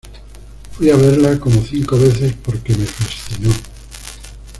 Fui a verla como cinco veces porque me fascinó.